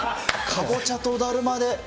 かぼちゃとだるまで。